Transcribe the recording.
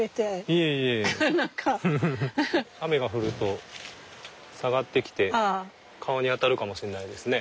雨が降ると下がってきて顔に当たるかもしれないですね。